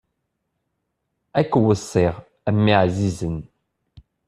Ad k-weṣṣiɣ, a mmi ɛzizen!